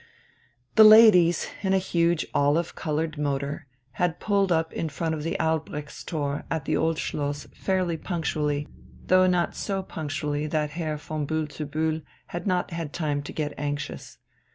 The ladies, in a huge olive coloured motor, had pulled up in front of the Albrechtstor at the Old Schloss fairly punctually, though not so punctually that Herr von Bühl zu Bühl had not had time to get anxious.